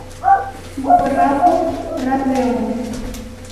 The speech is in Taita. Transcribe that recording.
Nguw'o rapo raw'eoma.